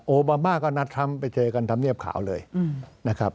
โอบามาก็นัดทำไปเจอกันทำเงียบขาวเลยนะครับ